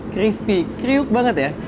crispy kriuk banget ya